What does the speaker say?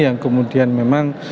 yang kemudian memang